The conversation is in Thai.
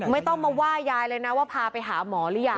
ไม่ต้องมาว่ายายเลยนะว่าพาไปหาหมอหรือยัง